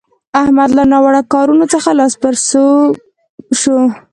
احمد له ناوړه کارونه څخه لاس پر سو شو.